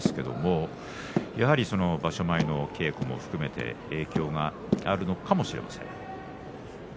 場所前の稽古も含めて影響があるのかもしれません。